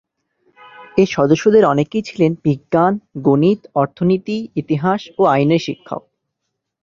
এ-সদস্যেদের অনেকেই ছিলেন বিজ্ঞান, গণিত, অর্থনীতি, ইতিহাস ও আইনের শিক্ষক।